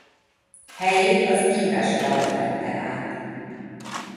Helyét az íves lant vette át.